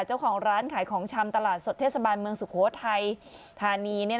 เจ้าของร้านขายของชำตลาดสดเทศบาลเมืองสุโขทัยธานี